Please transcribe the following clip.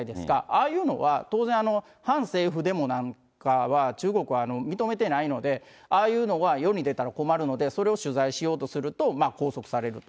ああいうのは、当然、反政府デモなんかは中国は認めてないので、ああいうのが世に出たら困るので、それを取材しようとすると拘束されると。